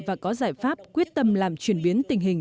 và có giải pháp quyết tâm làm chuyển biến tình hình